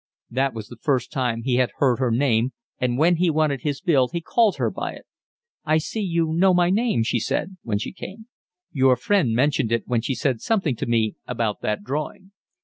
That was the first time he had heard her name, and when he wanted his bill he called her by it. "I see you know my name," she said, when she came. "Your friend mentioned it when she said something to me about that drawing."